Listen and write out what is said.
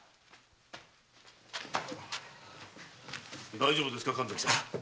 大丈夫ですか神崎さん。